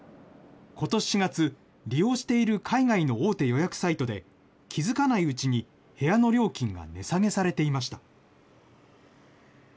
ことし４月、利用している海外の大手予約サイトで気付かないうちに、部屋の料金が値下げされていました。